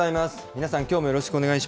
皆さん、きょうもよろしくお願い